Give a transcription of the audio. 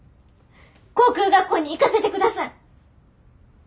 航空学校に行かせてください。